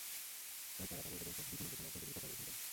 তাই তারা তাঁর উপদেশ ও দিক নির্দেশনা অত্যন্ত গুরুত্বসহকারে শুনতেন।